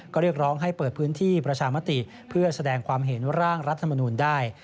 ก็เรียกร้องให้เปิดพื้นที่ประชามติเพื่อแสดงความเห็นร่างรัฐมนูลได้